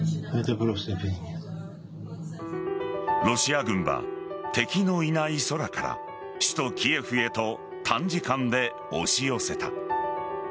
ロシア軍は敵のいない空から首都・キエフへと短時間で押し寄せた。